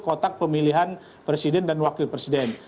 kotak pemilihan presiden dan wakil presiden